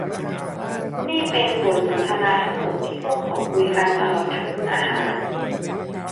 นี่เป็นบทสนทนาทั้งหมดที่พวกเขาคุยกันตลอดทั้งมื้ออาหาร